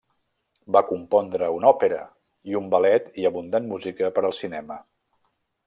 Va compondre una òpera i un ballet i abundant música per al cinema.